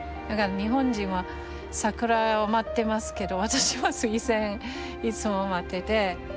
だから日本人は桜を待ってますけど私はスイセンいつも待ってて。